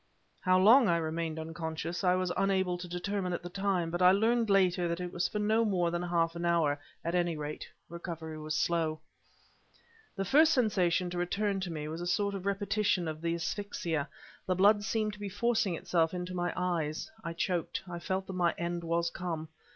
How long I remained unconscious, I was unable to determine at the time, but I learned later, that it was for no more than half an hour; at any rate, recovery was slow. The first sensation to return to me was a sort of repetition of the asphyxia. The blood seemed to be forcing itself into my eyes I choked I felt that my end was come.